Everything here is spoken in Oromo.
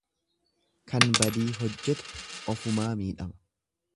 Kan badii hojjetu ofumaa miidhama.